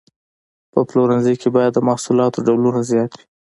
په پلورنځي کې باید د محصولاتو ډولونه زیات وي.